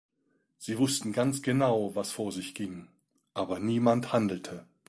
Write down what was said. Sie wussten ganz genau, was vor sich ging, aber niemand handelte.